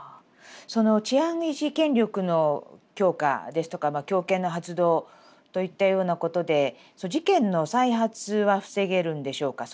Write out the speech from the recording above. その治安維持権力の強化ですとか強権の発動といったようなことで事件の再発は防げるんでしょうか？